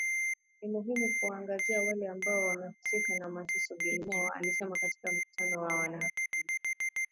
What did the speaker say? ni muhimu kuwaangazia wale ambao wamehusika na mateso Gilmore alisema katika mkutano na wanahabari